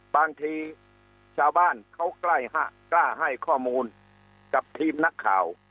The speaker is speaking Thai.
บางทีชาวบ้านเขากล้าให้ข้อมูลกับทีมนักข่าว